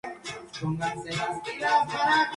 Su pico es robusto y negruzco.